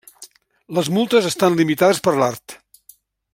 Les multes estan limitades per l'art.